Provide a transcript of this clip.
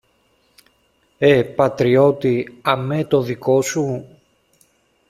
Ε, πατριώτη, αμέ το δικό σου;